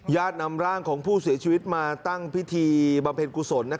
ญาตินำร่างของผู้เสียชีวิตมาตั้งพิธีบำเพ็ญกุศล